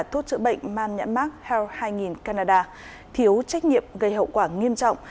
thuốc chữa bệnh man nhãn mark health hai nghìn canada thiếu trách nhiệm gây hậu quả nghiêm trọng